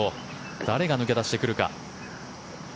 誰が抜け出してくるか。